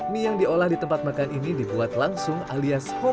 mie yang diolah di tempat makan ini dibuat langsung alias semenjak tahun dua ribu